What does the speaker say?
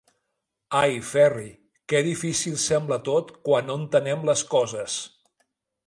Ai, Ferri, que difícil sembla tot quan no entenem les coses!